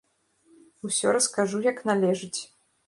Усё раскажу як належыць.